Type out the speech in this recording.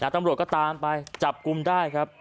ตำรวจตามไปจับกุมใกล้ครับ